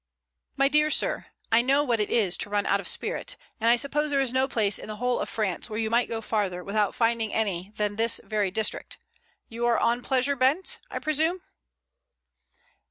"My dear sir, I know what it is to run out of spirit. And I suppose there is no place in the whole of France where you might go farther without finding any than this very district. You are on pleasure bent, I presume?"